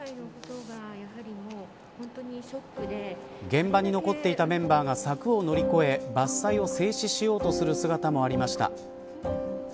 現場に残っていたメンバーが柵を乗り越え、伐採を制止しようとする姿もありました。